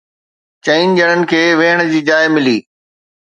چئن ڄڻن کي ويهڻ جي جاءِ ملي